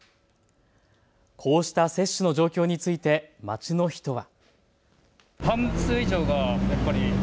こうした接種の状況について街の人は。